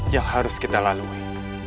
yang harus kita lalui